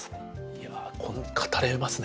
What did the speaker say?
いや語れますね